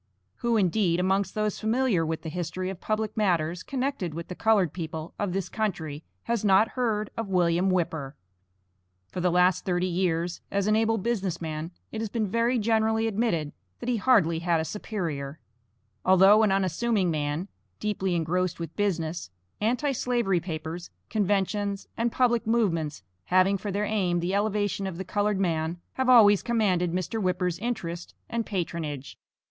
Who, indeed, amongst those familiar with the history of public matters connected with the colored people of this country, has not heard of William Whipper? For the last thirty years, as an able business man, it has been very generally admitted, that he hardly had a superior. Although an unassuming man, deeply engrossed with business Anti slavery papers, conventions, and public movements having for their aim the elevation of the colored man, have always commanded Mr. Whipper's interest and patronage.